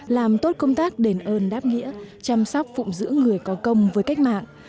làm tốt công tác đền ơn đáp nghĩa chăm sóc phụng dưỡng người có công với cách mạng